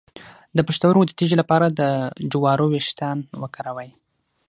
د پښتورګو د تیږې لپاره د جوارو ویښتان وکاروئ